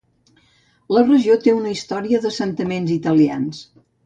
La regió té una història d'assentaments italians.